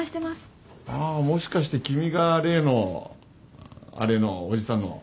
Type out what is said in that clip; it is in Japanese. ああもしかして君が例のアレのおじさんの。